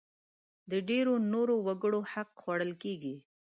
د ډېری نورو وګړو حق خوړل کېږي.